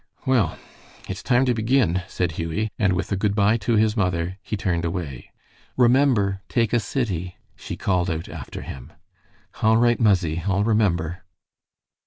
"Well, it's time to begin," said Hughie, and with a good by to his mother he turned away. "Remember, take a city," she called out after him. "All right, muzzie, I'll remember."